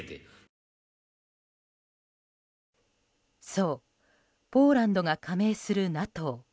そう、ポーランドが加盟するＮＡＴＯ。